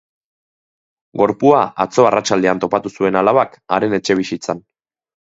Gorpua atzo arratsaldean topatu zuen alabak haren etxebizitzan.